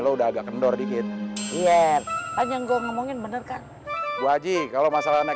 lu udah agak kendor dikit iya panjang gua ngomongin bener kak gua aji kalau masalah naik